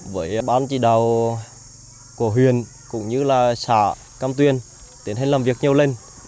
với bán chỉ đào của huyện cũng như là xã cam tuyền để làm việc nhiều lên